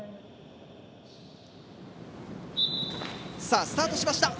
さあスタートしました。